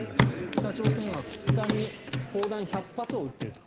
北朝鮮は２日に砲弾１００発を撃っていると。